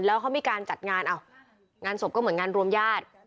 แล้วเขามีการจัดงานงานศพก็เหมือนงานรวมญาติ